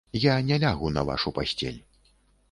Я не лягу на вашу пасцель.